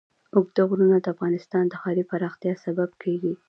اوږده غرونه د افغانستان د ښاري پراختیا سبب کېږي.